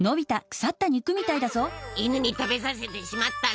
犬に食べさせてしまったら！